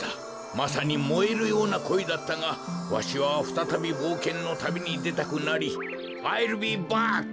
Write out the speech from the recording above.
まさにもえるようなこいだったがわしはふたたびぼうけんのたびにでたくなり「アイルビーバック！」